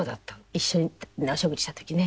一緒にお食事した時ね。